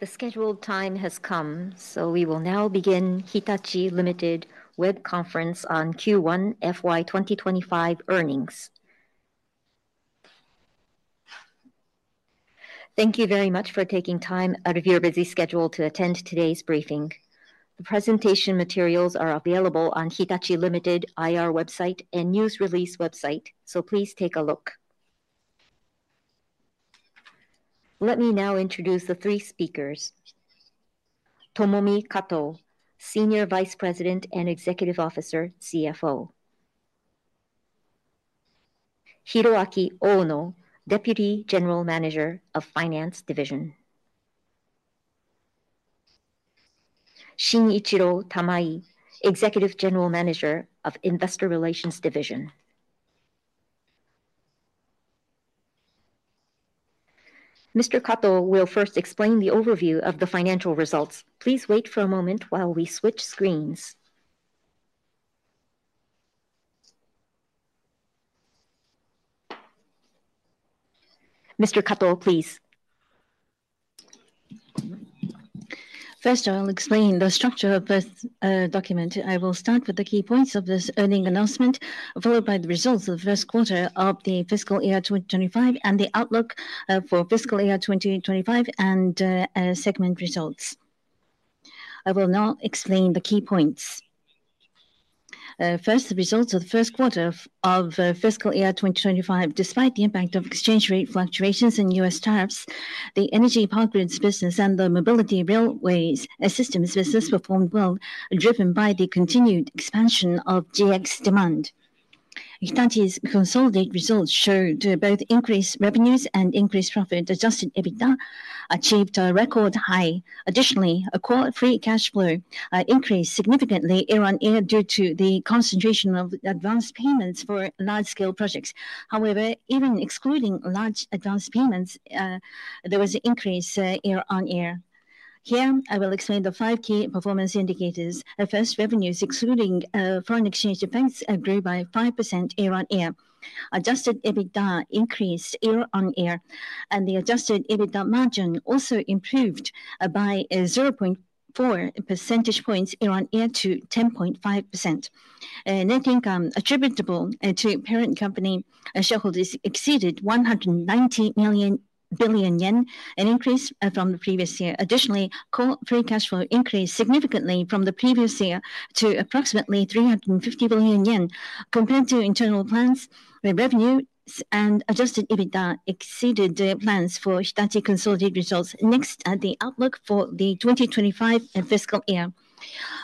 The scheduled time has come, so we will now begin Hitachi, Ltd. Web Conference on Q1 FY 2025 earnings. Thank you very much for taking time out of your busy schedule to attend today's briefing. The presentation materials are available on Hitachi, Ltd. IR website and News Release website, so please take a look. Let me now introduce the three speakers. Tomomi Kato, Senior Vice President and Executive Officer, CFO. Hiroaki Ono, Deputy General Manager of Finance Division. Shinichiro Tamai, Executive General Manager of Investor Relations Division. Mr. Kato will first explain the overview of the financial results. Please wait for a moment while we switch screens. Mr. Kato, please. First, I'll explain the structure of this document. I will start with the key points of this earnings announcement, followed by the results of the first quarter of the fiscal year 2025 and the outlook for fiscal year 2025 and segment results. I will now explain the key points. First, the results of the first quarter of fiscal year 2025. Despite the impact of exchange rate fluctuations and U.S. tariffs, the energy power grids business and the mobility railway systems business performed well, driven by the continued expansion of GX demand. Hitachi's consolidated results showed both increased revenues and increased profits. Adjusted EBITDA achieved a record high. Additionally, core free cash flow increased significantly year-on-year due to the concentration of advanced payments for large-scale projects. However, even excluding large advanced payments, there was an increase year-on-year. Here, I will explain the five key performance indicators. First, revenues, excluding foreign exchange effects, grew by 5% year-on-year. Adjusted EBITDA increased year-on-year, and the adjusted EBITDA margin also improved by 0.4 percentage points year-on-year to 10.5%. Net income attributable to parent company shareholders exceeded 190 billion yen, an increase from the previous year. Additionally, Core Free Cash Flow increased significantly from the previous year to approximately 350 billion yen. Compared to internal plans, revenues and adjusted EBITDA exceeded plans for Hitachi consolidated results. Next, the outlook for the 2025 fiscal year.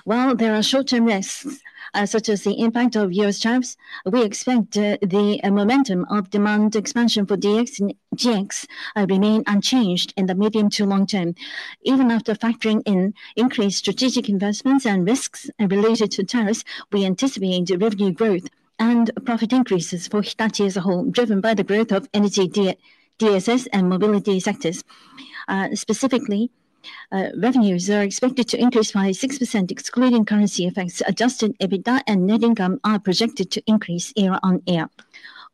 While there are short-term risks such as the impact of U.S. tariffs, we expect the momentum of demand expansion for GX to remain unchanged in the medium to long term. Even after factoring in increased strategic investments and risks related to tariffs, we anticipate revenue growth and profit increases for Hitachi as a whole, driven by the growth of energy, DSS, and mobility sectors. Specifically, revenues are expected to increase by 6%, excluding currency effects. Adjusted EBITDA and net income are projected to increase year-on-year.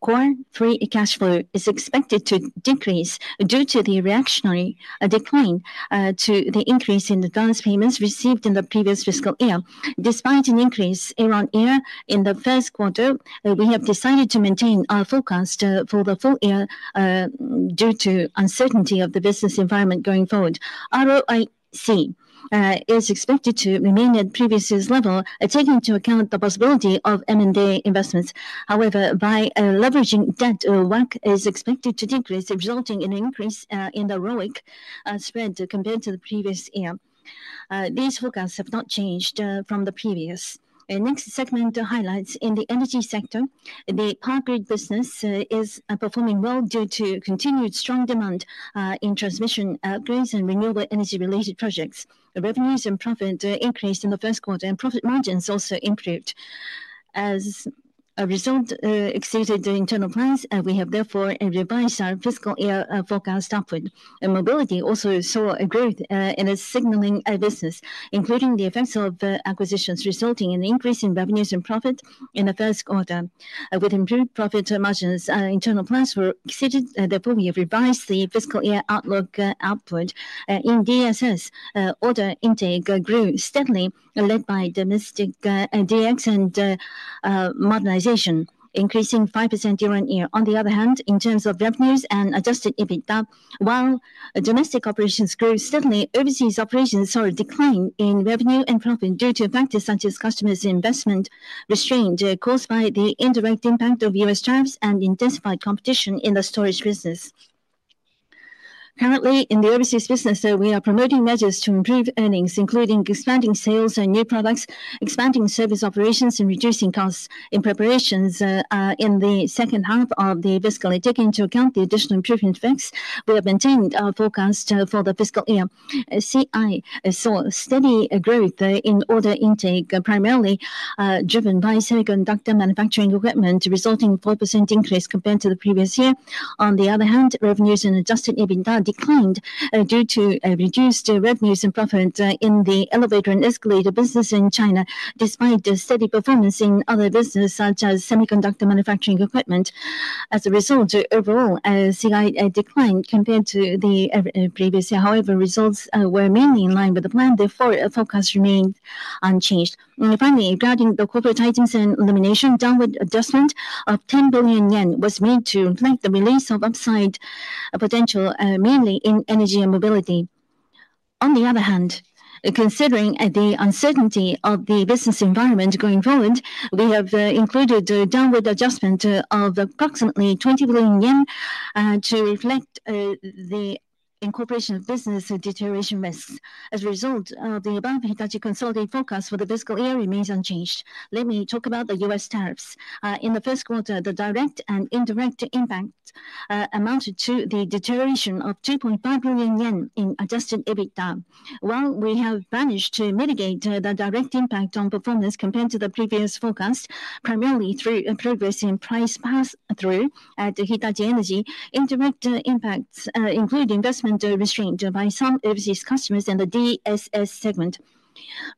Core Free Cash Flow is expected to decrease due to the reactionary decline to the increase in advanced payments received in the previous fiscal year. Despite an increase year-on-year in the first quarter, we have decided to maintain our forecast for the full year due to uncertainty of the business environment going forward. ROIC. Is expected to remain at previous level, taking into account the possibility of M&A investments. However, by leveraging debt, WACC is expected to decrease, resulting in an increase in the ROIC Spread compared to the previous year. These forecasts have not changed from the previous. Next, segment highlights in the Energy sector. The power grid business is performing well due to continued strong demand in transmission grids and renewable energy-related projects. Revenues and profit increased in the first quarter, and profit margins also improved. As a result, exceeded internal plans, we have therefore revised our fiscal year forecast upward. Mobility also saw a growth in its signaling business, including the effects of acquisitions, resulting in an increase in revenues and profit in the first quarter with improved profit margins. Internal plans were exceeded, therefore, we have revised the fiscal year outlook upward. In DSS, order intake grew steadily, led by domestic DX and modernization, increasing 5% year-on-year. On the other hand, in terms of revenues and adjusted EBITDA, while domestic operations grew steadily, overseas operations saw a decline in revenue and profit due to factors such as customers' investment restraint caused by the indirect impact of U.S. tariffs and intensified competition in the storage business. Currently, in the overseas business, we are promoting measures to improve earnings, including expanding sales and new products, expanding service operations, and reducing costs. In preparations in the second half of the fiscal year, taking into account the additional improvement effects, we have maintained our forecast for the fiscal year. CI saw steady growth in order intake, primarily driven by semiconductor manufacturing equipment, resulting in a 4% increase compared to the previous year. On the other hand, revenues and adjusted EBITDA declined due to reduced revenues and profits in the elevator and escalator business in China, despite steady performance in other businesses such as semiconductor manufacturing equipment. As a result, overall CI declined compared to the previous year. However, results were mainly in line with the plan, therefore, forecasts remained unchanged. Finally, regarding the corporate items and elimination, downward adjustment of 10 billion yen was made to reflect the release of upside potential, mainly in Energy and Mobility. On the other hand. Considering the uncertainty of the business environment going forward, we have included a downward adjustment of approximately 20 billion yen to reflect the incorporation of business deterioration risks. As a result of the above, Hitachi consolidated forecast for the fiscal year remains unchanged. Let me talk about the U.S. tariffs. In the first quarter, the direct and indirect impact amounted to the deterioration of 2.5 billion yen in adjusted EBITDA. While we have managed to mitigate the direct impact on performance compared to the previous forecast, primarily through progress in price pass-through at Hitachi Energy, indirect impacts include investment restraint by some overseas customers in the Digital Solutions segment.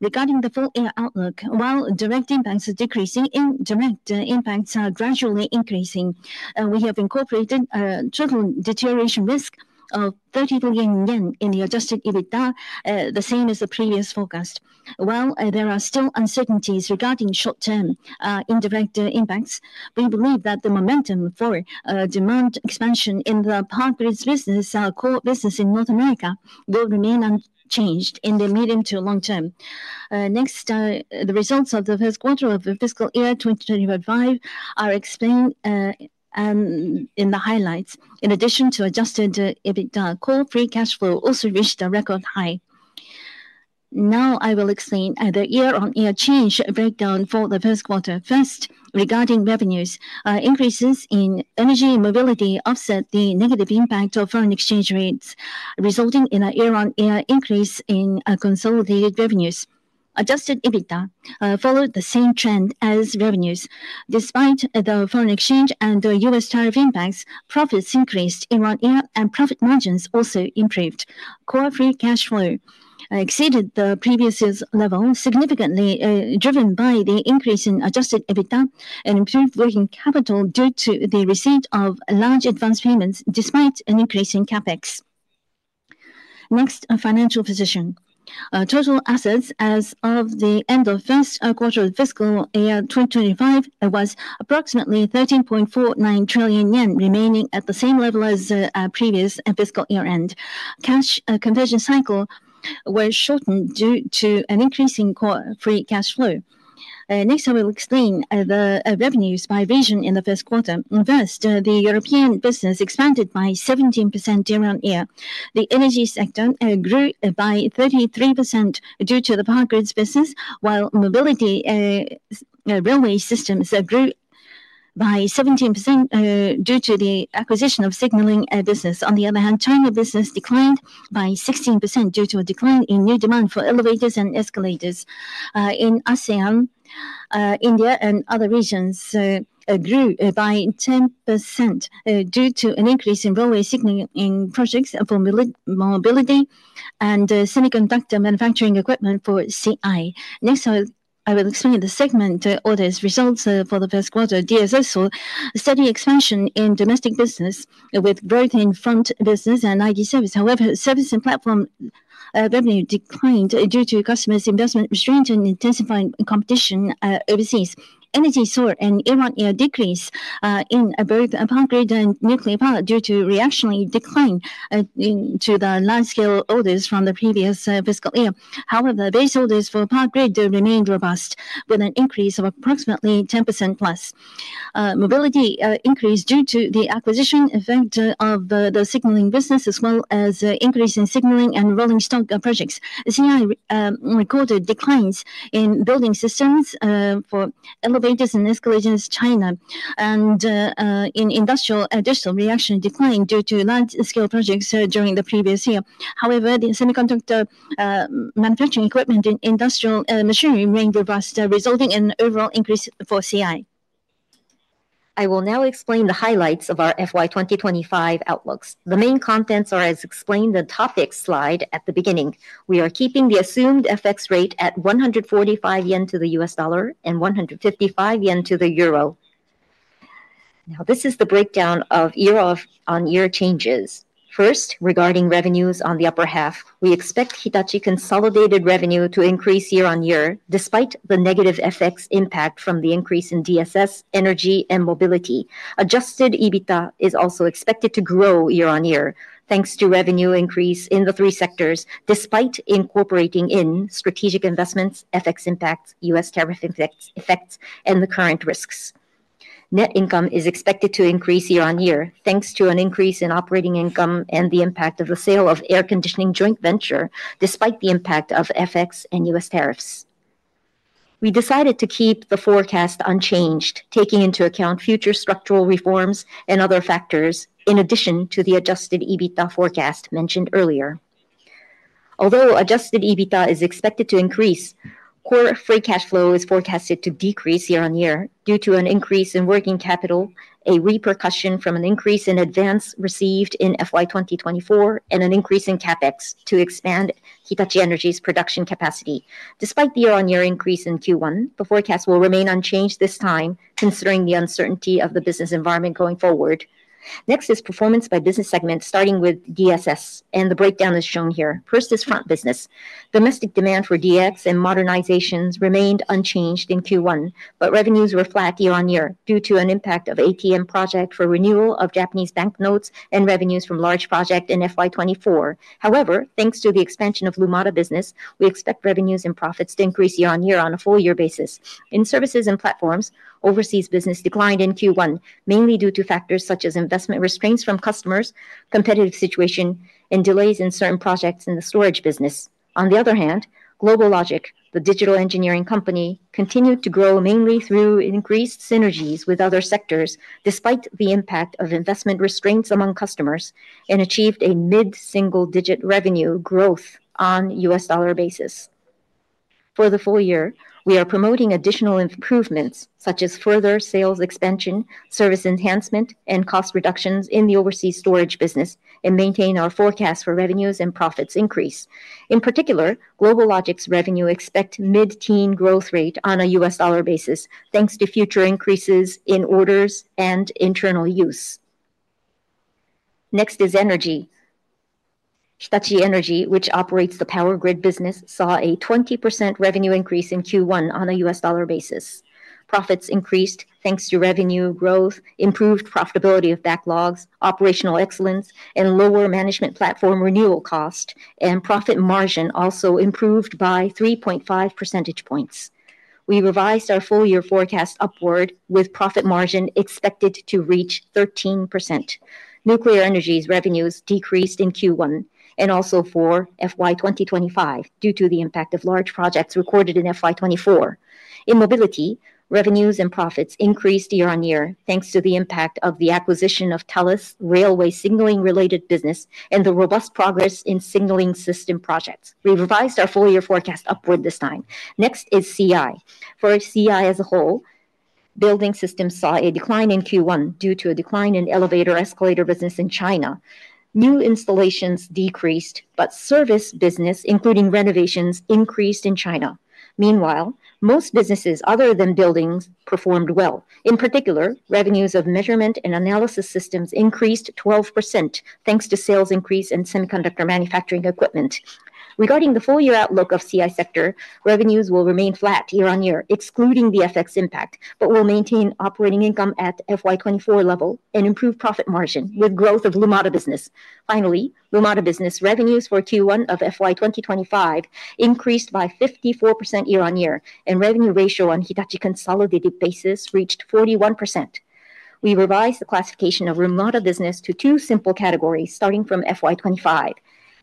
Regarding the full year outlook, while direct impacts are decreasing, indirect impacts are gradually increasing. We have incorporated a total deterioration risk of 30 billion yen in the adjusted EBITDA, the same as the previous forecast. While there are still uncertainties regarding short-term indirect impacts, we believe that the momentum for demand expansion in the power grids business, our core business in North America, will remain unchanged in the medium to long term. Next, the results of the first quarter of the fiscal year 2025 are explained. In the highlights, in addition to adjusted EBITDA, Core Free Cash Flow also reached a record high. Now I will explain the year-on-year change breakdown for the first quarter. First, regarding revenues, increases in energy and mobility offset the negative impact of foreign exchange rates, resulting in a year-on-year increase in consolidated revenues. Adjusted EBITDA followed the same trend as revenues. Despite the foreign exchange and U.S. tariff impacts, profits increased year-on-year and profit margins also improved. Core Free Cash Flowexceeded the previous level, significantly driven by the increase in adjusted EBITDA and improved working capital due to the receipt of large advanced payments, despite an increase in CapEx. Next, financial position. Total assets as of the end of the first quarter of fiscal year 2025 was approximately 13.49 trillion yen, remaining at the same level as the previous fiscal year-end. Cash conversion cycle was shortened due to an increase in Core Free Cash Flow Next, I will explain the revenues by region in the first quarter. First, the European business expanded by 17% year-on-year. The energy sector grew by 33% due to the power grids business, while mobility. Railway systems grew by 17% due to the acquisition of signaling business. On the other hand, China business declined by 16% due to a decline in new demand for elevators and escalators. In ASEAN, India and other regions grew by 10% due to an increase in railway signaling projects for mobility and semiconductor manufacturing equipment for CI. Next, I will explain the segment orders results for the first quarter. DSS saw steady expansion in domestic business with growth in front business and ID service. However, service and platform revenue declined due to customers' investment restraint and intensifying competition overseas. Energy saw a year-on-year decrease in both power grid and nuclear power due to a reactionary decline to the large-scale orders from the previous fiscal year. However, base orders for power grid remained robust, with an increase of approximately 10% plus. Mobility increased due to the acquisition effect of the signaling business, as well as increase in signaling and rolling stock projects. CI recorded declines in building systems for elevators and escalators in China, and in industrial additional reaction declined due to large-scale projects during the previous year. However, the semiconductor manufacturing equipment and industrial machinery remained robust, resulting in an overall increase for CI. I will now explain the highlights of our FY 2025 outlooks. The main contents are, as explained in the topic slide at the beginning. We are keeping the assumed FX rate at 145 yen to the U.S. dollar and 155 yen to the euro. Now, this is the breakdown of year-on-year changes. First, regarding revenues on the upper half, we expect Hitachi consolidated revenue to increase year-on-year, despite the negative FX impact from the increase in DSS, energy, and mobility. Adjusted EBITDA is also expected to grow year-on-year, thanks to revenue increase in the three sectors, despite incorporating in strategic investments, FX impacts, U.S. tariff effects, and the current risks. Net income is expected to increase year-on-year, thanks to an increase in operating income and the impact of the sale of air conditioning joint venture, despite the impact of FX and U.S. tariffs. We decided to keep the forecast unchanged, taking into account future structural reforms and other factors, in addition to the adjusted EBITDA forecast mentioned earlier. Although adjusted EBITDA is expected to increase, Core Free Cash Flow is forecasted to decrease year-on-year due to an increase in working capital, a repercussion from an increase in advances received in FY 2024, and an increase in CapEx to expand Hitachi Energy's production capacity. Despite the year-on-year increase in Q1, the forecast will remain unchanged this time, considering the uncertainty of the business environment going forward. Next is performance by business segment, starting with DSS, and the breakdown is shown here. First is front business. Domestic demand for DX and modernizations remained unchanged in Q1, but revenues were flat year-on-year due to the impact of the ATM project for renewal of Japanese banknotes and revenues from a large project in FY 2024. However, thanks to the expansion of Lumada business, we expect revenues and profits to increase year-on-year on a full-year basis. In services and platforms, overseas business declined in Q1, mainly due to factors such as investment restraints from customers, competitive situation, and delays in certain projects in the storage business. On the other hand, GlobalLogic, the digital engineering company, continued to grow mainly through increased synergies with other sectors, despite the impact of investment restraints among customers, and achieved a mid-single-digit revenue growth on a U.S. dollar basis. For the full year, we are promoting additional improvements such as further sales expansion, service enhancement, and cost reductions in the overseas storage business, and maintain our forecast for revenues and profits increase. In particular, GlobalLogic's revenue expects a mid-teen growth rate on a U.S. dollar basis, thanks to future increases in orders and internal use. Next is energy. Hitachi Energy, which operates the power grid business, saw a 20% revenue increase in Q1 on a U.S. dollar basis. Profits increased thanks to revenue growth, improved profitability of backlogs, operational excellence, and lower management platform renewal cost, and profit margin also improved by 3.5 percentage points. We revised our full-year forecast upward, with profit margin expected to reach 13%. Nuclear energy's revenues decreased in Q1 and also for FY 2025 due to the impact of large projects recorded in FY 2024. In mobility, revenues and profits increased year-on-year thanks to the impact of the acquisition of Thales railway signaling-related business and the robust progress in signaling system projects. We revised our full year forecast upward this time. Next is CI. For CI as a whole, building systems saw a decline in Q1 due to a decline in elevator escalator business in China. New installations decreased, but service business, including renovations, increased in China. Meanwhile, most businesses other than buildings performed well. In particular, revenues of measurement and analysis systems increased 12% thanks to sales increase in semiconductor manufacturing equipment. Regarding the full year outlook of CI sector, revenues will remain flat year-on-year, excluding the FX impact, but will maintain operating income at FY 2024 level and improve profit margin with growth of Lumada business. Finally, Lumada business revenues for Q1 of FY 2025 increased by 54% year-on-year, and revenue ratio on Hitachi consolidated basis reached 41%. We revised the classification of Lumada business to two simple categories starting from FY 2025.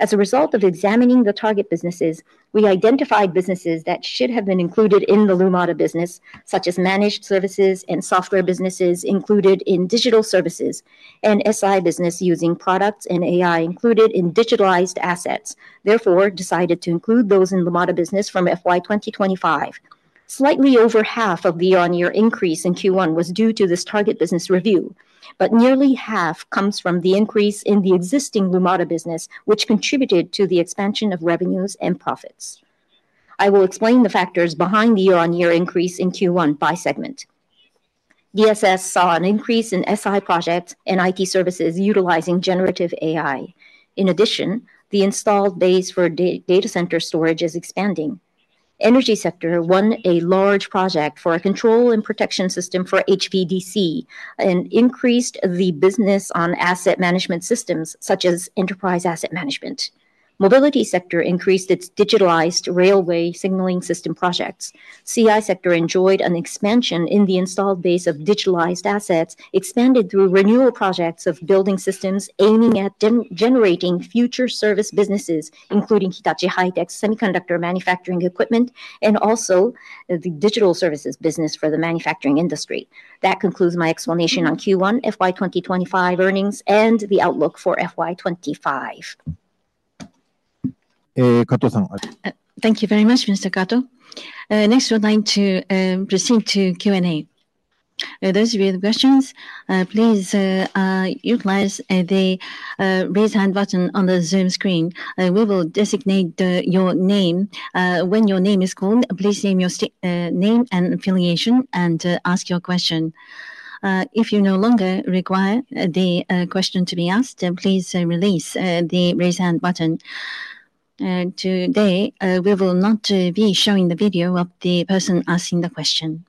As a result of examining the target businesses, we identified businesses that should have been included in the Lumada business, such as managed services and software businesses included in digital services, and SI business using products and AI included in digitalized assets. Therefore, we decided to include those in Lumada business from FY 2025. Slightly over half of the year-on-year increase in Q1 was due to this target business review, but nearly half comes from the increase in the existing Lumada business, which contributed to the expansion of revenues and profits. I will explain the factors behind the year-on-year increase in Q1 by segment. DSS saw an increase in SI projects and IT services utilizing generative AI. In addition, the installed base for data center storage is expanding. Energy sector won a large project for a control and protection system for HVDC and increased the business on asset management systems such as enterprise asset management. Mobility sector increased its digitalized railway signaling system projects. CI sector enjoyed an expansion in the installed base of digitalized assets, expanded through renewal projects of building systems aiming at generating future service businesses, including Hitachi semiconductor manufacturing equipment and also the digital services business for the manufacturing industry. That concludes my explanation on Q1, FY 2025 earnings, and the outlook for FY 2025. Kato-san. Thank you very much, Mr. Kato. Next, we would like to proceed to Q&A. Those with questions, please. Utilize the. Raise hand button on the Zoom screen. We will designate your name. When your name is called, please name your name and affiliation and ask your question. If you no longer require the question to be asked, please release the raise hand button. Today, we will not be showing the video of the person asking the question.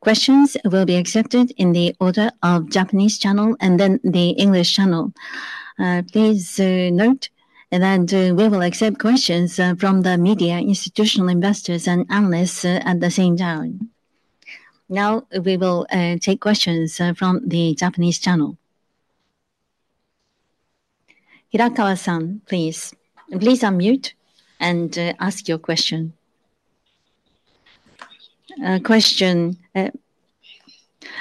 Questions will be accepted in the order of Japanese channel and then the English channel. Please note that we will accept questions from the media, institutional investors, and analysts at the same time. Now, we will take questions from the Japanese channel. Hirakawa-san, please. Please unmute and ask your question. Question.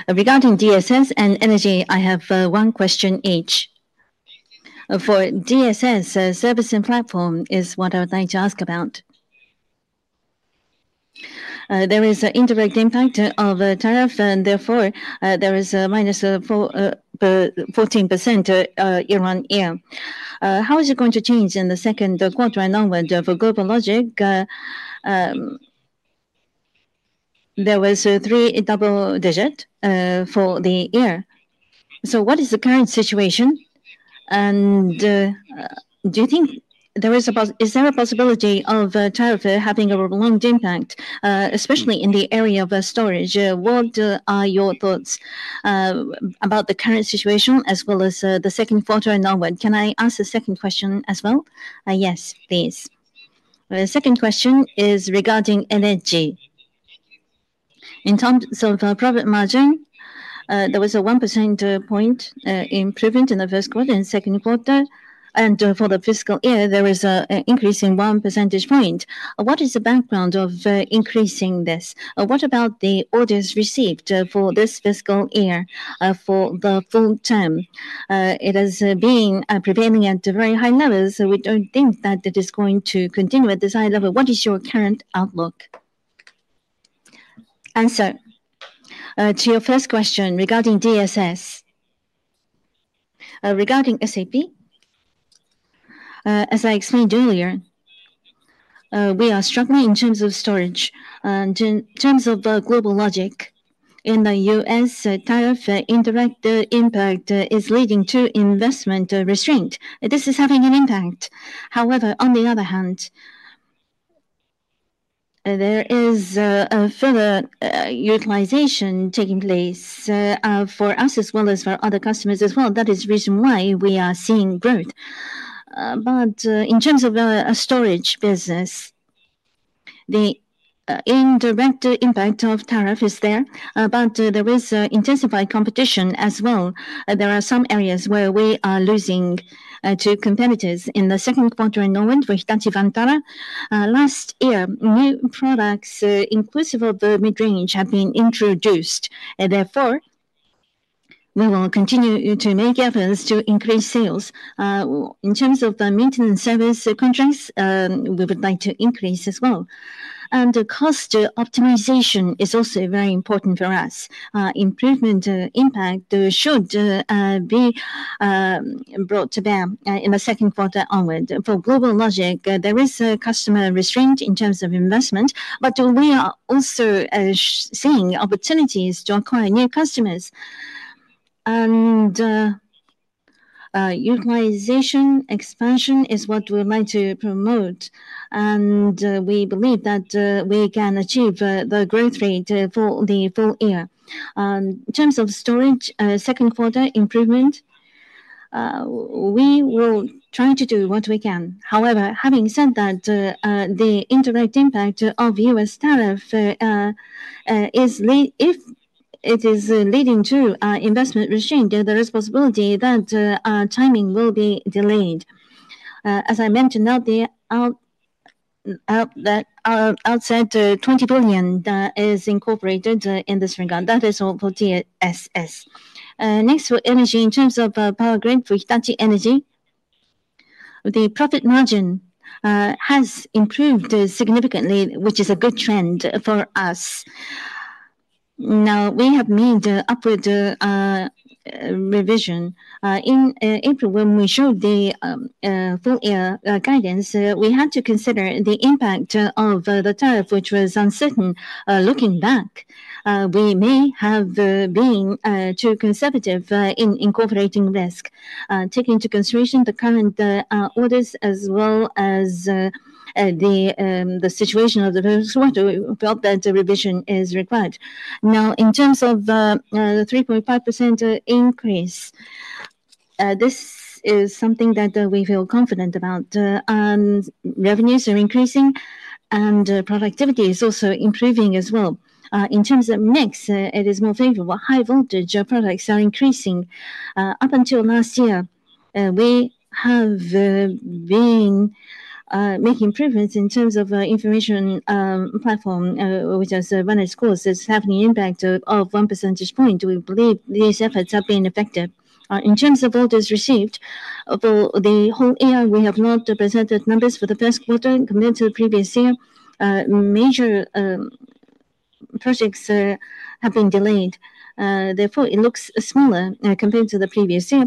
Regarding DSS and Energy, I have one question each. For DSS, service and platform is what I would like to ask about. There is an indirect impact of tariff, and therefore there is a minus 14% year-on-year. How is it going to change in the second quarter and onward for GlobalLogic? There was a three-double digit for the year. What is the current situation? Do you think there is a possibility of tariff having a prolonged impact, especially in the area of storage? What are your thoughts about the current situation as well as the second quarter and onward? Can I ask the second question as well? Yes, please. The second question is regarding Energy. In terms of profit margin, there was a 1% point improvement in the first quarter and second quarter. For the fiscal year, there was an increase in 1 percentage point. What is the background of increasing this? What about the orders received for this fiscal year for the full term? It has been prevailing at very high levels. We don't think that it is going to continue at this high level. What is your current outlook? To your first question regarding DSS. Regarding SAP, As I explained earlier, we are struggling in terms of storage. In terms of GlobalLogic, in the U.S., tariff indirect impact is leading to investment restraint. This is having an impact. However, on the other hand, there is a further utilization taking place for us as well as for other customers as well. That is the reason why we are seeing growth. In terms of a storage business, the indirect impact of tariff is there, but there is intensified competition as well. There are some areas where we are losing to competitors in the second quarter and onward for Hitachi Vantara. Last year, new products inclusive of the mid-range have been introduced. Therefore. We will continue to make efforts to increase sales. In terms of maintenance service contracts, we would like to increase as well. The cost optimization is also very important for us. Improvement impact should be brought to bear in the second quarter onward. For GlobalLogic, there is a customer restraint in terms of investment, but we are also seeing opportunities to acquire new customers. Utilization expansion is what we would like to promote. We believe that we can achieve the growth rate for the full year. In terms of storage, second quarter improvement, we will try to do what we can. However, having said that, the indirect impact of U.S. tariff is leading to investment restraint, the responsibility that our timing will be delayed. As I mentioned out there, outside 20 billion is incorporated in this regard. That is all for DSS. Next for energy, in terms of power grid for Hitachi Energy, the profit margin has improved significantly, which is a good trend for us. Now, we have made upward revision. In April, when we showed the full year guidance, we had to consider the impact of the tariff, which was uncertain. Looking back, we may have been too conservative in incorporating risk. Taking into consideration the current orders as well as the situation of the first quarter, we felt that the revision is required. In terms of the 3.5% increase, this is something that we feel confident about. Revenues are increasing, and productivity is also improving as well. In terms of mix, it is more favorable. High voltage products are increasing. Up until last year, we have been making improvements in terms of information platform, which is run as course. There's having an impact of 1 percentage point. We believe these efforts have been effective. In terms of orders received, for the whole year, we have not presented numbers for the first quarter compared to the previous year. Major projects have been delayed. Therefore, it looks smaller compared to the previous year.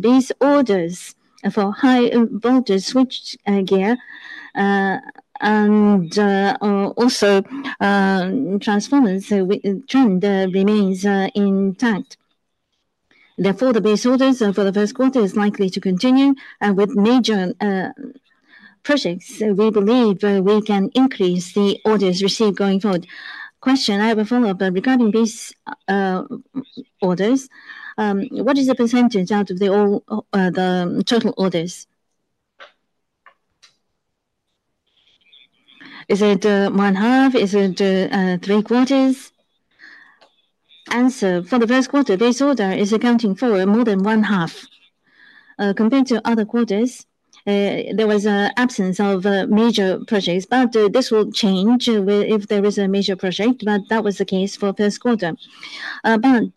These orders for high voltage switchgear and also transformers trend remains intact. Therefore, the base orders for the first quarter is likely to continue. With major projects, we believe we can increase the orders received going forward. I have a follow-up regarding base orders. What is the percentage out of the total orders? Is it one half? Is it three quarters? For the first quarter, this order is accounting for more than one half. Compared to other quarters, there was an absence of major projects, but this will change if there is a major project. That was the case for the first quarter. Depending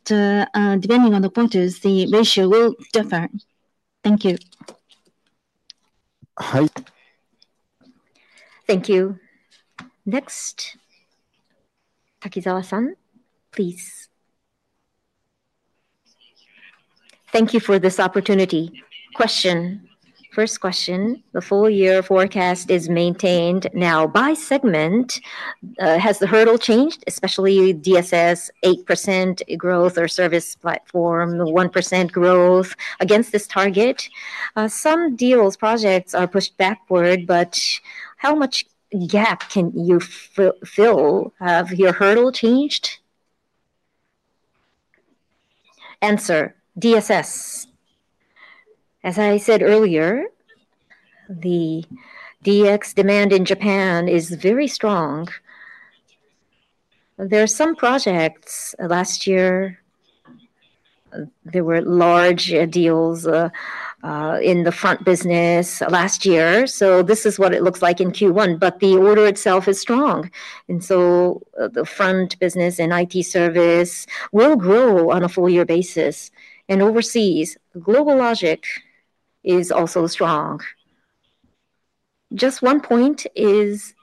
on the quarters, the ratio will differ. Thank you. Hi. Thank you. Next, Takizawa-san, please. Thank you for this opportunity. First question, the full year forecast is maintained now by segment. Has the hurdle changed, especially DSS 8% growth or service platform 1% growth against this target? Some deals, projects are pushed backward, but how much gap can you fill? Have your hurdle changed? DSS. As I said earlier, the DX demand in Japan is very strong. There are some projects last year. There were large deals in the front business last year. This is what it looks like in Q1, but the order itself is strong. The front business and IT service will grow on a full year basis. Overseas, GlobalLogic is also strong. Just one point is,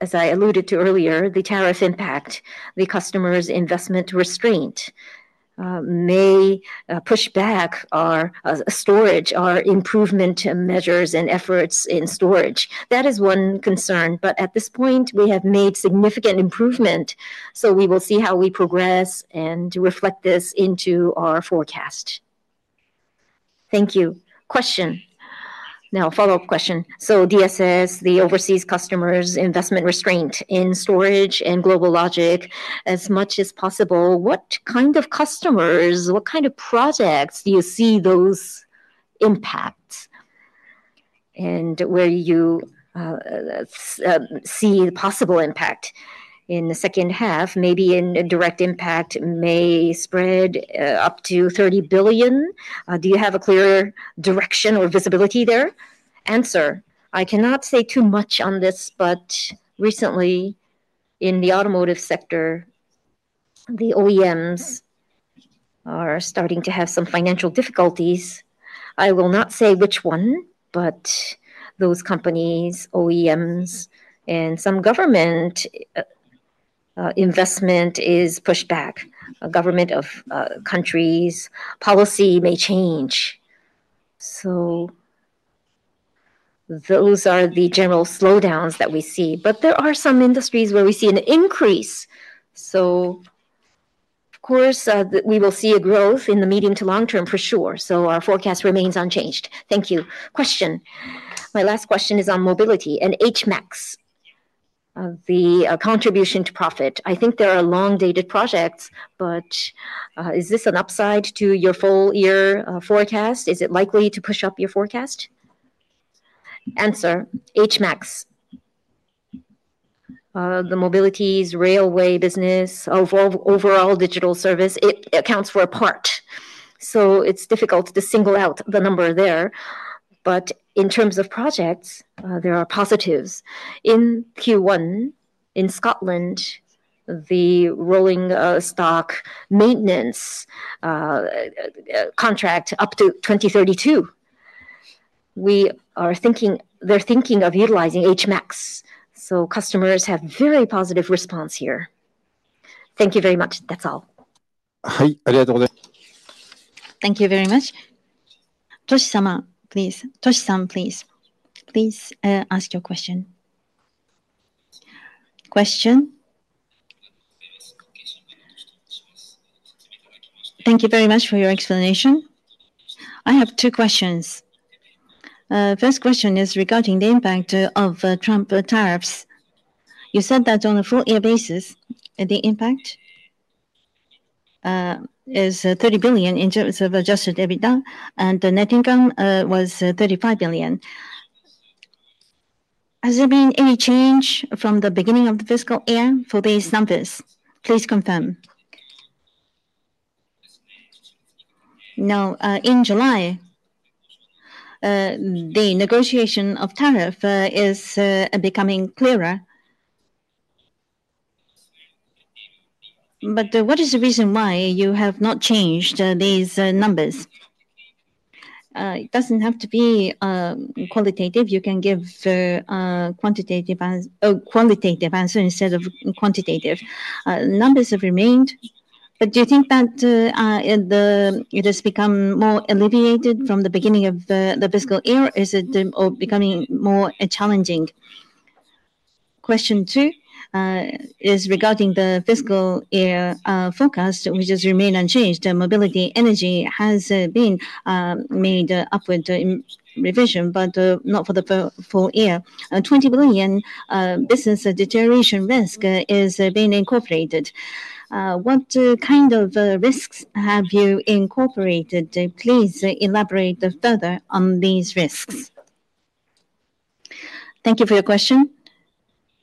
as I alluded to earlier, the tariff impact, the customer's investment restraint may push back our storage, our improvement measures and efforts in storage. That is one concern, but at this point, we have made significant improvement. We will see how we progress and reflect this into our forecast. Thank you. Now, follow-up question. DSS, the overseas customers' investment restraint in storage and GlobalLogic, as much as possible, what kind of customers, what kind of projects do you see those impacts? Where do you see the possible impact in the second half? Maybe indirect impact may spread up to 30 billion. Do you have a clearer direction or visibility there? I cannot say too much on this, but recently in the automotive sector, the OEMs are starting to have some financial difficulties. I will not say which one, but those companies, OEMs, and some government investment is pushed back. Government of countries' policy may change. Those are the general slowdowns that we see. There are some industries where we see an increase. Of course, we will see a growth in the medium to long term for sure. Our forecast remains unchanged. Thank you. Question. My last question is on mobility and HMAX. The contribution to profit, I think there are long-dated projects, but is this an upside to your full year forecast? Is it likely to push up your forecast? HMAX. The mobilities, railway business, overall digital service, it accounts for a part. It's difficult to single out the number there, but in terms of projects, there are positives. In Q1, in Scotland, the rolling stock maintenance contract up to 2032, we are thinking they're thinking of utilizing HMAX. Customers have very positive response here. Thank you very much. That's all. Thank you very much. Toshiyuki, please. Toshiy-san, please. Please ask your question. Thank you very much for your explanation. I have two questions. First question is regarding the impact of Trump tariffs. You said that on a full year basis, the impact is 30 billion in terms of adjusted EBITDA, and the net income was 35 billion. Has there been any change from the beginning of the fiscal year for these numbers? Please confirm. In July, the negotiation of tariff is becoming clearer. What is the reason why you have not changed these numbers? It doesn't have to be qualitative. You can give qualitative answer instead of quantitative. Numbers have remained, but do you think that it has become more alleviated from the beginning of the fiscal year? Is it becoming more challenging? Question two is regarding the fiscal year forecast, which has remained unchanged. Mobility energy has been made upward revision, but not for the full year. 20 billion business deterioration risk is being incorporated. What kind of risks have you incorporated? Please elaborate further on these risks. Thank you for your question.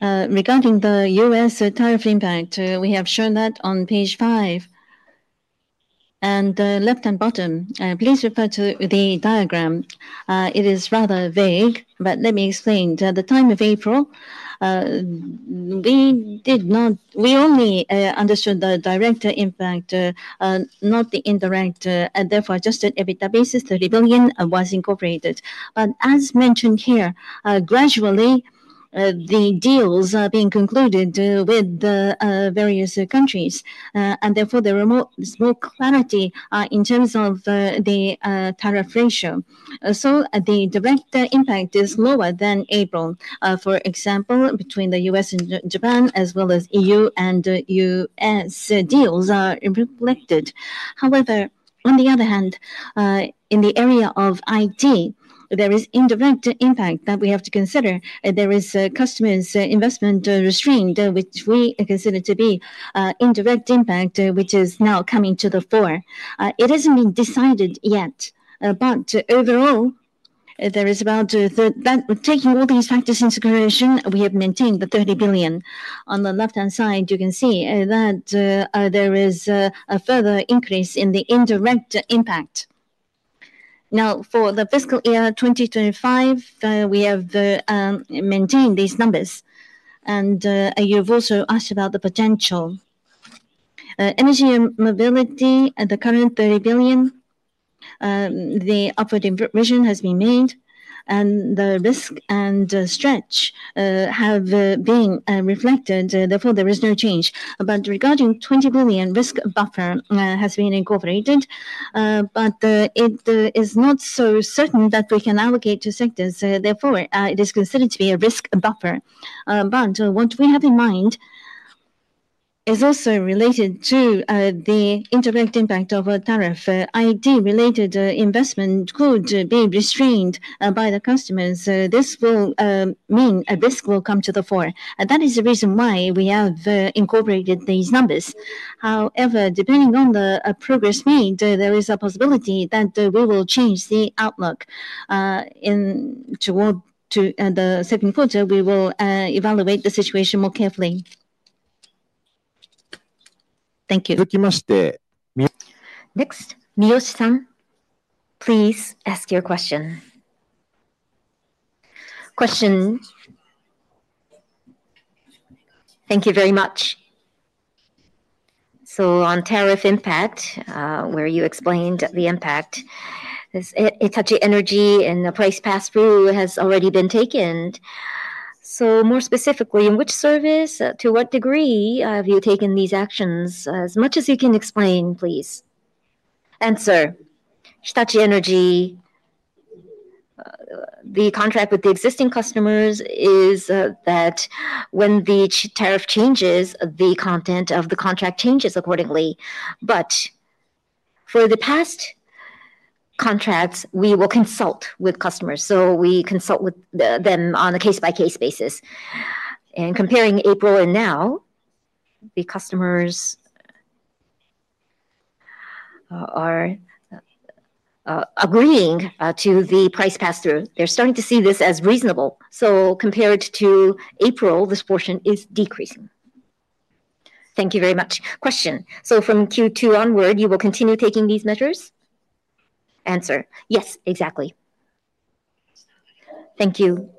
Regarding the U.S. tariff impact, we have shown that on page five, and left and bottom, please refer to the diagram. It is rather vague, but let me explain. At the time of April, we only understood the direct impact, not the indirect, and therefore adjusted EBITDA basis, 30 billion was incorporated. As mentioned here, gradually the deals are being concluded with various countries, and therefore, there is more clarity in terms of the tariff ratio. The direct impact is lower than April. For example, between the U.S. and Japan, as well as EU and U.S. deals are reflected. However, on the other hand, in the area of IT, there is indirect impact that we have to consider. There is customers' investment restrained, which we consider to be indirect impact, which is now coming to the fore. It hasn't been decided yet, but overall, taking all these factors into consideration, we have maintained the 30 billion. On the left-hand side, you can see that there is a further increase in the indirect impact. Now, for the fiscal year 2025, we have maintained these numbers. You've also asked about the potential. Energy mobility, the current $30 billion. The upward revision has been made, and the risk and stretch have been reflected. Therefore, there is no change. Regarding $20 billion, risk buffer has been incorporated. It is not so certain that we can allocate to sectors. Therefore, it is considered to be a risk buffer. What we have in mind is also related to the indirect impact of a tariff. IT-related investment could be restrained by the customers. This will mean a risk will come to the fore. That is the reason why we have incorporated these numbers. However, depending on the progress made, there is a possibility that we will change the outlook. Toward the second quarter, we will evaluate the situation more carefully. Thank you. Next, Miyoshi-san, please ask your question. Question. Thank you very much. On tariff impact, where you explained the impact. Hitachi Energy and the price pass-through has already been taken. More specifically, in which service, to what degree have you taken these actions? As much as you can explain, please. Hitachi Energy. The contract with the existing customers is that when the tariff changes, the content of the contract changes accordingly. For the past contracts, we will consult with customers. We consult with them on a case-by-case basis. Comparing April and now, the customers are agreeing to the price pass-through. They're starting to see this as reasonable. Compared to April, this portion is decreasing. Thank you very much. From Q2 onward, you will continue taking these measures? Yes, exactly. Thank you.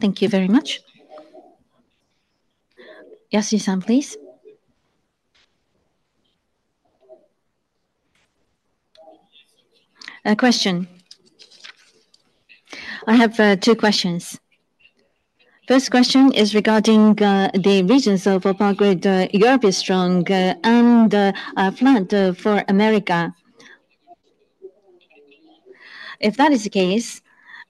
Thank you very much. Yasuhi-san, please. I have two questions. First question is regarding the regions of Power Grid. Europe is strong and flat for America. If that is the case,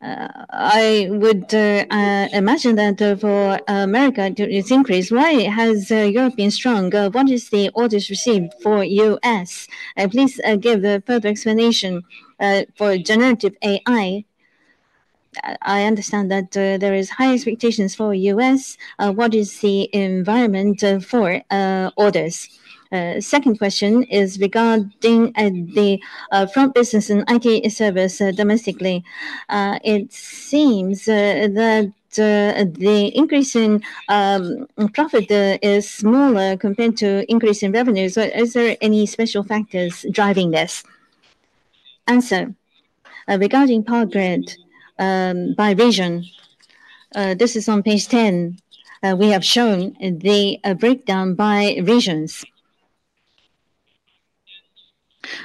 I would imagine that for America it's increased. Why has Europe been strong? What is the orders received for U.S.? Please give further explanation for generative AI. I understand that there are high expectations for U.S. What is the environment for orders? Second question is regarding the front business and IT service domestically. It seems that the increase in profit is smaller compared to increase in revenues. Is there any special factors driving this? Answer. Regarding Power Grid by region, this is on page 10. We have shown the breakdown by regions.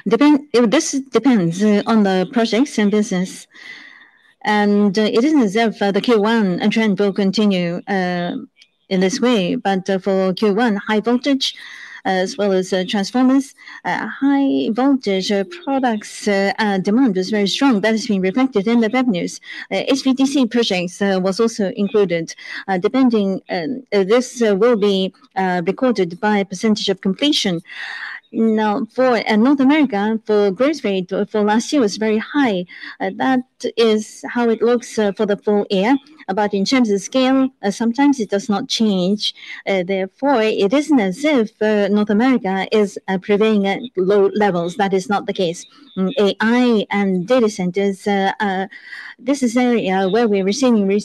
This depends on the projects and business. It isn't as if the Q1 trend will continue in this way. For Q1, high voltage as well as transformers, high voltage products demand was very strong. That has been reflected in the revenues. HVDC projects were also included. Depending, this will be recorded by a percentage of completion. Now, for North America, the growth rate for last year was very high. That is how it looks for the full year. In terms of scale, sometimes it does not change. Therefore, it isn't as if North America is prevailing at low levels. That is not the case. AI and data centers, this is an area where we are receiving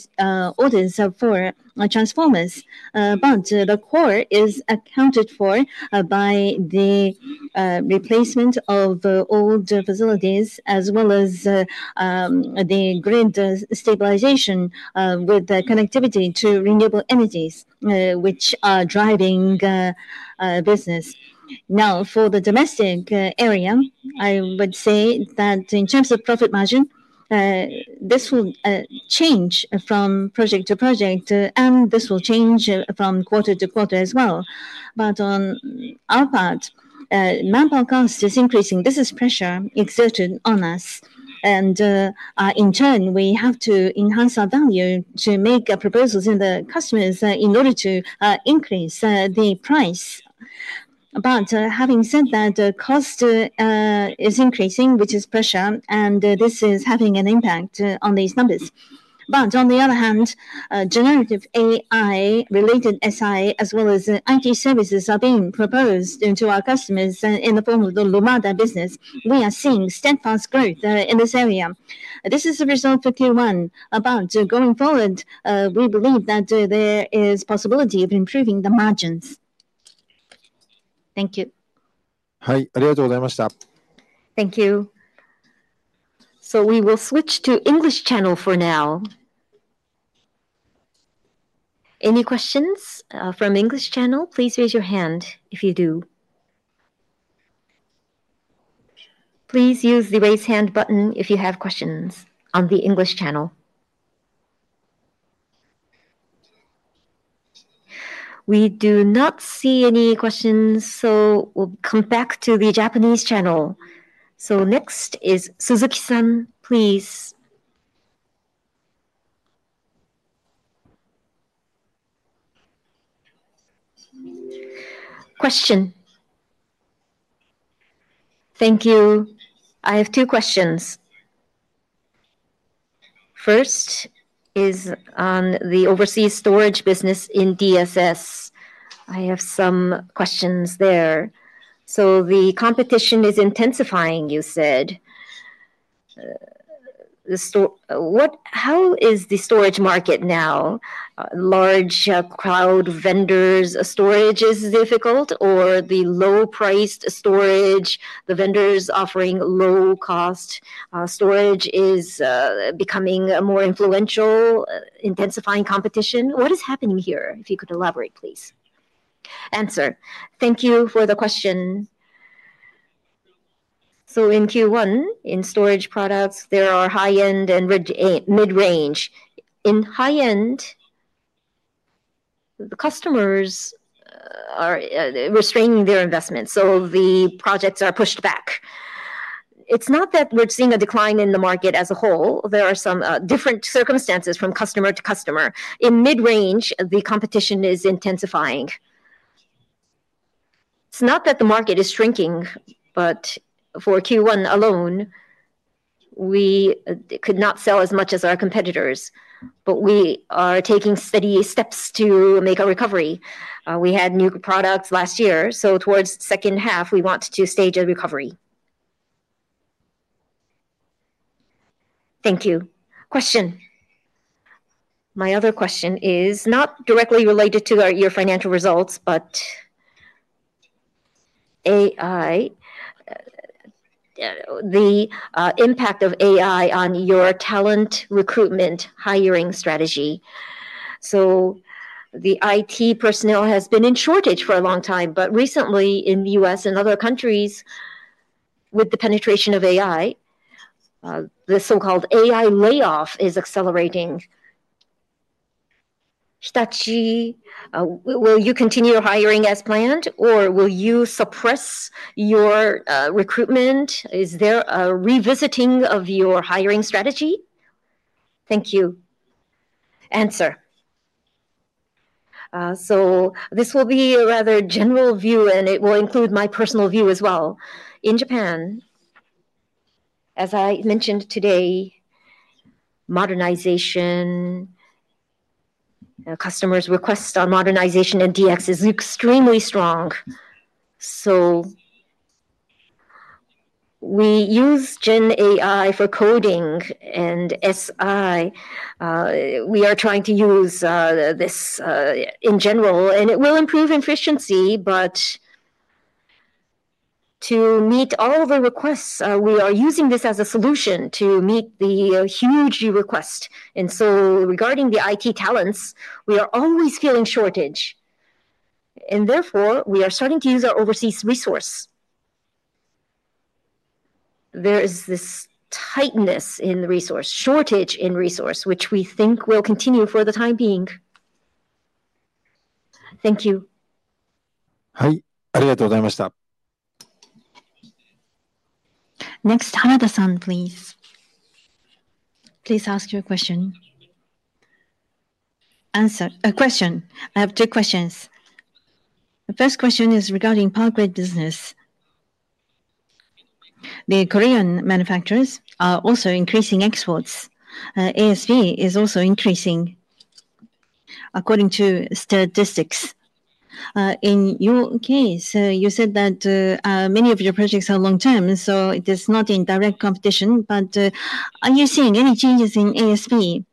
orders for transformers. The core is accounted for by the replacement of old facilities as well as the grid stabilization with connectivity to renewable energies, which are driving business. Now, for the domestic area, I would say that in terms of profit margin, this will change from project to project, and this will change from quarter to quarter as well. On our part, manpower cost is increasing. This is pressure exerted on us. In turn, we have to enhance our value to make proposals to the customers in order to increase the price. Having said that, the cost is increasing, which is pressure, and this is having an impact on these numbers. On the other hand, generative AI-related SI as well as IT services are being proposed to our customers in the form of the Lumada business. We are seeing steadfast growth in this area. This is the result for Q1. Going forward, we believe that there is possibility of improving the margins. Thank you. はい、ありがとうございました。Thank you. We will switch to English channel for now. Any questions from English channel? Please raise your hand if you do. Please use the raise hand button if you have questions on the English channel. We do not see any questions, we'll come back to the Japanese channel. Next is Suzuki-san, please. Question. Thank you. I have two questions. First is on the overseas storage business in DSS. I have some questions there. The competition is intensifying, you said. How is the storage market now? Large cloud vendors, storage is difficult, or the low-priced storage, the vendors offering low-cost storage is becoming more influential, intensifying competition. What is happening here? If you could elaborate, please. Answer. Thank you for the question. In Q1, in storage products, there are high-end and mid-range. In high-end, customers. Are restraining their investments, so the projects are pushed back. It's not that we're seeing a decline in the market as a whole. There are some different circumstances from customer to customer. In mid-range, the competition is intensifying. It's not that the market is shrinking, but for Q1 alone, we could not sell as much as our competitors, but we are taking steady steps to make a recovery. We had new products last year, so towards the second half, we want to stage a recovery. Thank you. Question. My other question is not directly related to your financial results, but the impact of AI on your talent recruitment hiring strategy. So the IT personnel has been in shortage for a long time, but recently in the U.S. and other countries, with the penetration of AI, the so-called AI layoff is accelerating. Hitachi, will you continue hiring as planned, or will you suppress your recruitment? Is there a revisiting of your hiring strategy? Thank you. Answer. This will be a rather general view, and it will include my personal view as well. In Japan, as I mentioned today, modernization, customers' requests on modernization and DX is extremely strong. We use GenAI for coding and SI. We are trying to use this in general, and it will improve efficiency, but to meet all the requests, we are using this as a solution to meet the huge request. Regarding the IT talents, we are always feeling shortage, and therefore, we are starting to use our overseas resource. There is this tightness in the resource, shortage in resource, which we think will continue for the time being. Thank you. はい、ありがとうございました。Next, Hanada-san, please. Please ask your question. Answer. Question. I have two questions. The first question is regarding Power Grid business. The Korean manufacturers are also increasing exports. ASV is also increasing. According to statistics, in your case, you said that many of your projects are long-term, so it is not in direct competition, but are you seeing any changes in ASV?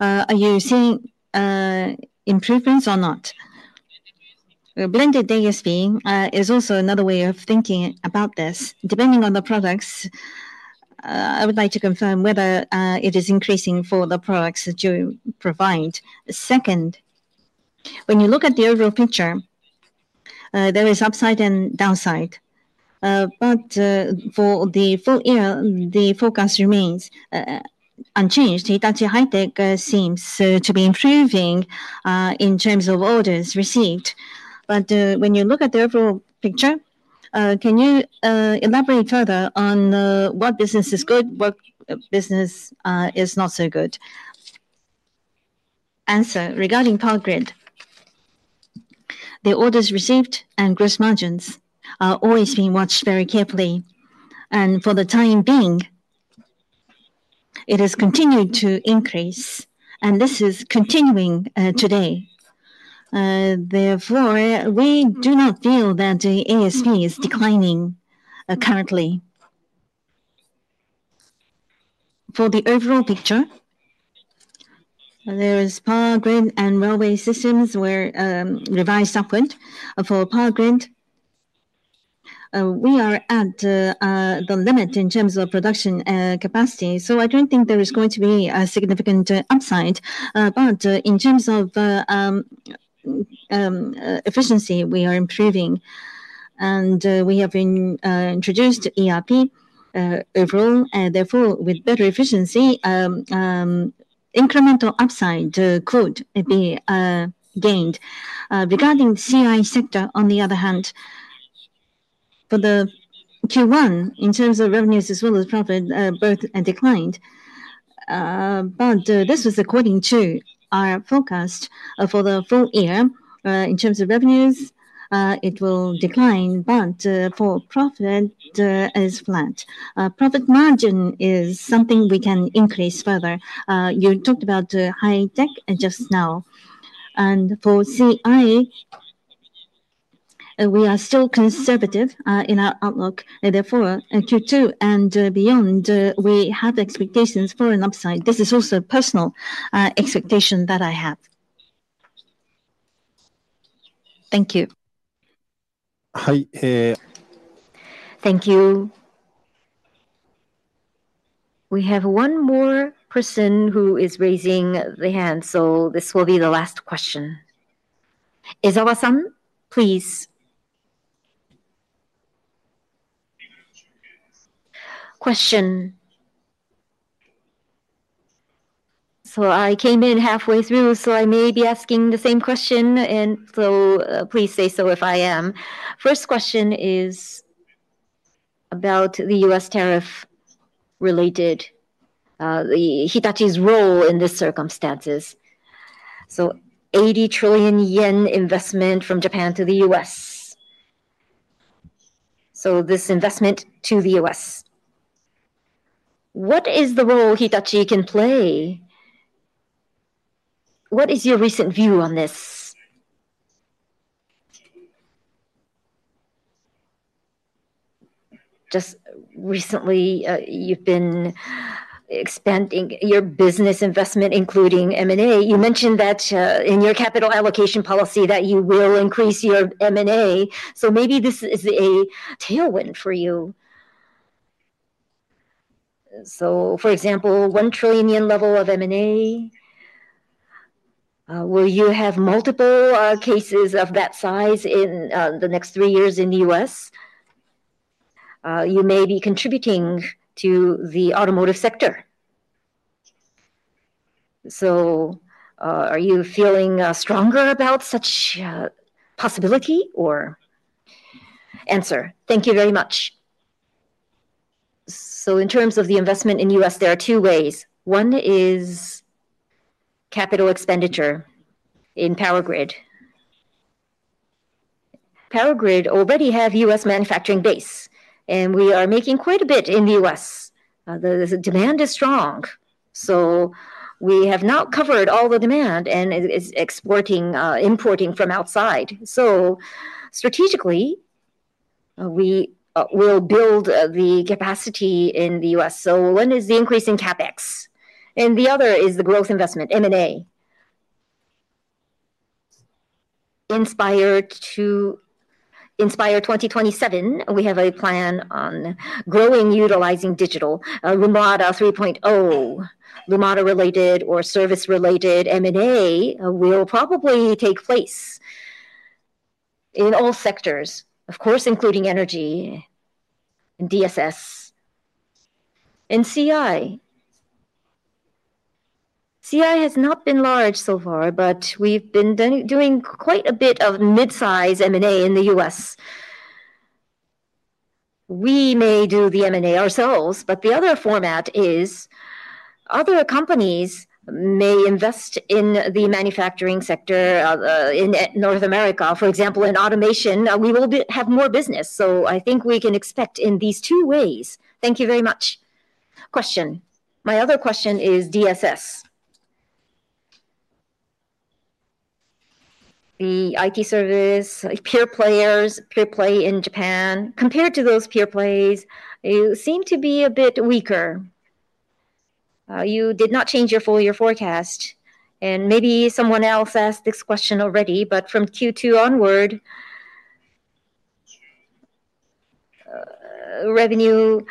Are you seeing improvements or not? Blended ASV is also another way of thinking about this. Depending on the products, I would like to confirm whether it is increasing for the products you provide. Second, when you look at the overall picture, there is upside and downside, but for the full year, the forecast remains unchanged. Hitachi High-Tech seems to be improving in terms of orders received. When you look at the overall picture, can you elaborate further on what business is good, what business is not so good? Answer. Regarding Power Grid, the orders received and gross margins are always being watched very carefully. For the time being, it has continued to increase, and this is continuing today. Therefore, we do not feel that ASV is declining currently. For the overall picture, there is Power Grid and railway systems were revised upward for Power Grid. We are at the limit in terms of production capacity, so I don't think there is going to be a significant upside. In terms of efficiency, we are improving, and we have introduced ERP. Overall, therefore, with better efficiency, incremental upside could be gained. Regarding the CI sector, on the other hand, for Q1, in terms of revenues as well as profit, both declined, but this was according to our forecast for the full year. In terms of revenues, it will decline, but for profit, it is flat. Profit margin is something we can increase further. You talked about high tech just now, and for CI, we are still conservative in our outlook. Q2 and beyond, we have expectations for an upside. This is also a personal expectation that I have. Thank you. はい。Thank you. We have one more person who is raising the hand, so this will be the last question. Isawasan, please. Question. I came in halfway through, so I may be asking the same question, and please say so if I am. First question is about the U.S. tariff related. Hitachi's role in these circumstances. 80 trillion yen investment from Japan to the U.S. This investment to the U.S., what is the role Hitachi can play? What is your recent view on this? Just recently, you've been expanding your business investment, including M&A. You mentioned that in your capital allocation policy that you will increase your M&A, so maybe this is a tailwind for you. For example, 1 trillion yen level of M&A. Will you have multiple cases of that size in the next three years in the U.S.? You may be contributing to the automotive sector. Are you feeling stronger about such possibility or? Answer. Thank you very much. In terms of the investment in the U.S., there are two ways. One is capital expenditure in Power Grid. Power Grid already has a U.S. manufacturing base, and we are making quite a bit in the U.S. The demand is strong, so we have not covered all the demand and exporting, importing from outside. Strategically, we will build the capacity in the U.S. One is the increase in CapEx, and the other is the growth investment, M&A. Inspire. 2027, we have a plan on growing utilizing digital. Lumada 3.0, Lumada-related or service-related M&A will probably take place. In all sectors, of course, including energy, DSS, and CI. CI has not been large so far, but we've been doing quite a bit of mid-size M&A in the U.S. We may do the M&A ourselves, but the other format is other companies may invest in the manufacturing sector. In North America, for example, in automation, we will have more business. I think we can expect in these two ways. Thank you very much. Question. My other question is DSS. The IT service, peer players, peer play in Japan, compared to those peer plays, you seem to be a bit weaker. You did not change your full year forecast. Maybe someone else asked this question already, but from Q2 onward, revenue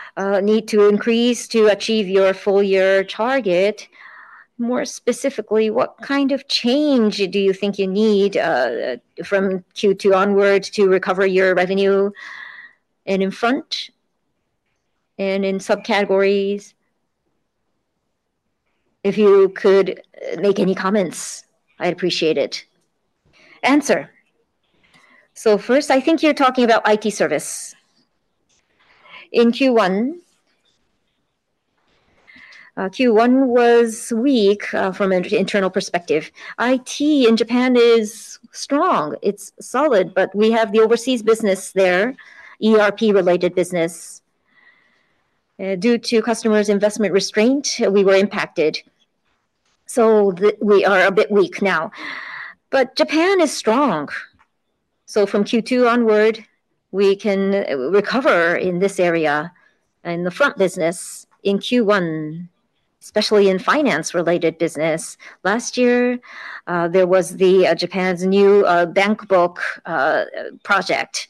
needs to increase to achieve your full year target. More specifically, what kind of change do you think you need from Q2 onward to recover your revenue, and in front, and in subcategories? If you could make any comments, I'd appreciate it. Answer. First, I think you're talking about IT service. In Q1, Q1 was weak from an internal perspective. IT in Japan is strong. It's solid, but we have the overseas business there, ERP-related business. Due to customers' investment restraint, we were impacted. We are a bit weak now, but Japan is strong. From Q2 onward, we can recover in this area. In the front business, in Q1, especially in finance-related business, last year there was Japan's new bank book project,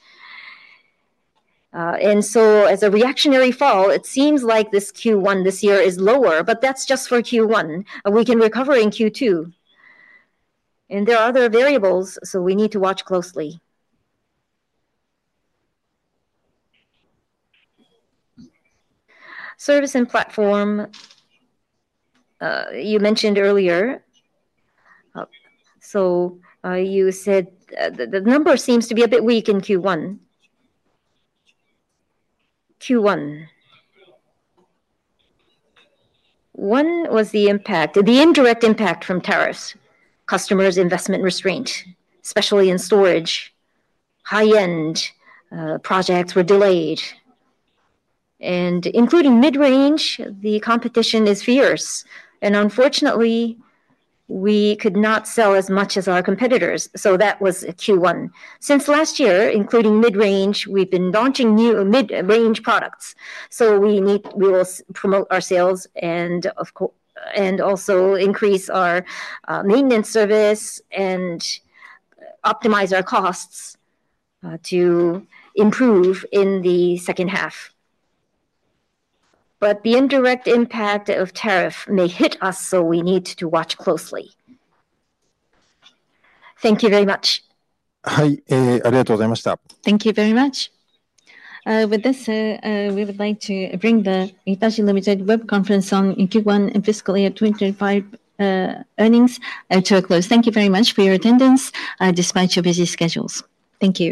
and as a reactionary fall, it seems like this Q1 this year is lower, but that's just for Q1. We can recover in Q2, and there are other variables, so we need to watch closely. Service and platform, you mentioned earlier. You said the number seems to be a bit weak in Q1. Q1, one was the impact, the indirect impact from tariffs, customers' investment restraint, especially in storage. High-end projects were delayed, and including mid-range, the competition is fierce. Unfortunately, we could not sell as much as our competitors. That was Q1. Since last year, including mid-range, we've been launching new mid-range products. We will promote our sales and also increase our maintenance service and optimize our costs to improve in the second half. The indirect impact of tariff may hit us, so we need to watch closely. Thank you very much. はい、ありがとうございました。Thank you very much. With this, we would like to bring the Hitachi, Ltd. web conference on Q1 and fiscal year 2025 earnings to a close. Thank you very much for your attendance despite your busy schedules. Thank you.